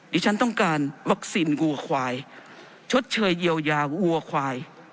ดิฉันต้องการวัคซีนวัวควายชดเชยเยียวยาวัวควาย